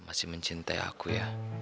masih mencintai aku ya